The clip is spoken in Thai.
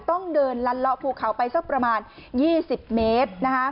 ต้องเดินลัดเลาะภูเขาไปสักประมาณ๒๐เมตร